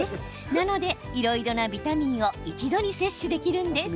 なので、いろいろなビタミンを一度に摂取できるんです。